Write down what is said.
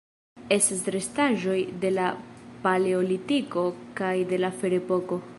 Estas restaĵoj de la Paleolitiko kaj de la Ferepoko.